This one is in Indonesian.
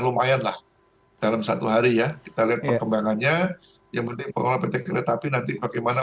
lumayan lah dalam satu hari ya kita lihat perkembangannya yang penting pengelola pt kereta api nanti bagaimana